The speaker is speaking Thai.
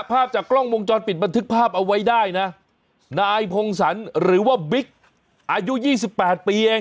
ภาพจากกล้องวงจรปิดบันทึกภาพเอาไว้ได้นะนายพงศรหรือว่าบิ๊กอายุยี่สิบแปดปีเอง